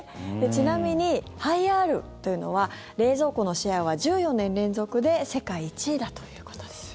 ちなみにハイアールというのは冷蔵庫のシェアは１４年連続で世界１位だということです。